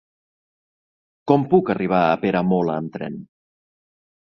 Com puc arribar a Peramola amb tren?